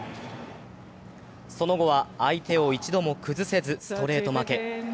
その後は相手を一度も崩せず、ストレート負け。